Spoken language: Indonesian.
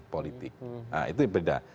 politik nah itu berbeda